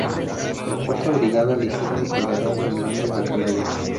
La cuarta brigada ligera dependerá del Mando de Canarias.